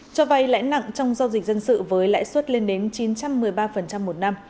cho vay lãi nặng trong giao dịch dân sự với lãi suất lên đến chín trăm một mươi ba một năm